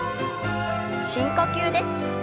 深呼吸です。